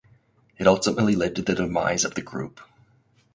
It ultimately led to the demise of the group.